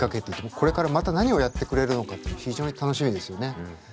これからまた何をやってくれるのかっての非常に楽しみですよね。